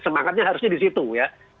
semangatnya harusnya di situ ya